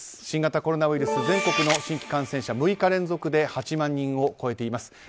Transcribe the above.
新型コロナウイルス全国の新規感染者６日連続で８万人を超えています。